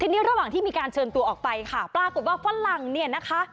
ทีนี้ระหว่างที่มีการเชิญตัวออกไปค่ะปรากฏว่าฝรั่งเนี่ยนะคะ